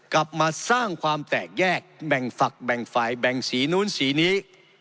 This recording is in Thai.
กลับมาสร้างความแตกแยกแบ่งฝักแบ่งฝ่ายแบ่งสีนู้นสีนี้